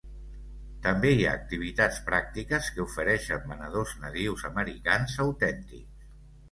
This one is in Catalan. També hi ha activitats pràctiques que ofereixen venedors nadius americans autèntics.